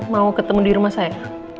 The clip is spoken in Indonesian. mau ketemu di rumah saya